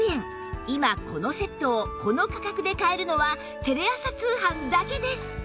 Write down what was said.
今このセットをこの価格で買えるのはテレ朝通販だけです